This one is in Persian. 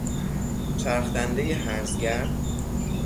چرخ دندهی هرزگرد